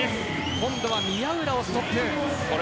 今度は宮浦をストップ。